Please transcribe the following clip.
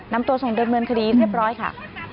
นำตัวส่งดำเนินคดีเรียบร้อยค่ะ